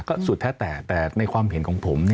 ก็สุดแท้แต่แต่ในความเห็นของผม